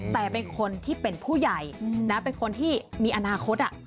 แต่เป็นคนที่เป็นผู้ใหญ่เป็นคนที่มีอนาคต